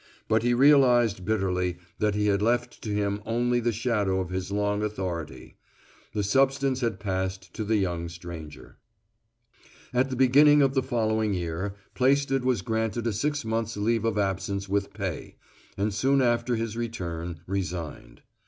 But he realized bitterly that he had left to him only the shadow of his long authority. The substance had passed to the young stranger. At the beginning of the following year Plaisted was granted a six months' leave of absence with pay, and soon after his return resigned.